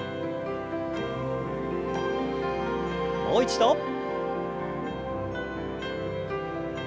もう一度。